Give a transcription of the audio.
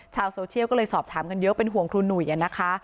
ชาวโซเชียลก็เลยสอบถามกันเยอะเป็นห่วงครูหนุ่ยนะคะ